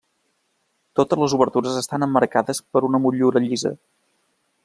Totes les obertures estan emmarcades per una motllura llisa.